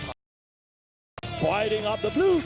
สร้างการที่กระทะนัก